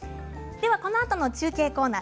このあとの中継コーナー